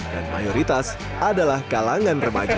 dan mayoritas adalah kalangan remaja